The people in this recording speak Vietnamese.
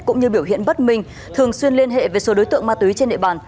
cũng như biểu hiện bất minh thường xuyên liên hệ với số đối tượng ma túy trên địa bàn